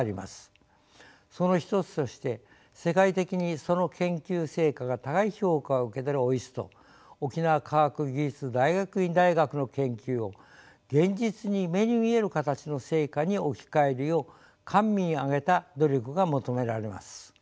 その一つとして世界的にその研究成果が高い評価を受けているＯＩＳＴ沖縄科学技術大学院大学の研究を現実に目に見える形の成果に置き換えるよう官民挙げた努力が求められます。